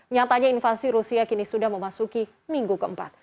nyatanya invasi rusia kini sudah memasuki minggu keempat